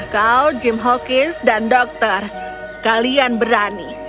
kau jim hawkis dan dokter kalian berani